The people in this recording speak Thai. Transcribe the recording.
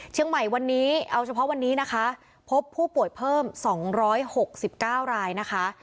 เชียงใหม่วันนี้เอาเฉพาะวันนี้นะคะพบผู้ป่วยเพิ่ม๒๖๙รายนะคะ